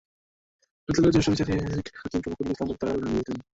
আদালতের জ্যেষ্ঠ বিচারিক হাকিম শফিকুল ইসলাম তাঁকে কারাগারে পাঠানোর নির্দেশ দেন।